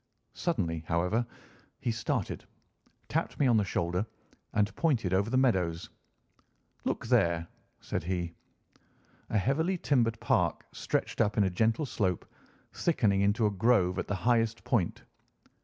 Suddenly, however, he started, tapped me on the shoulder, and pointed over the meadows. "Look there!" said he. A heavily timbered park stretched up in a gentle slope, thickening into a grove at the highest point.